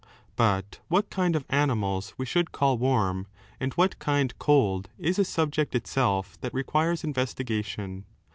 But what kind of animals we should call warm and what kind cold, is a subject itself that requires investiga tion.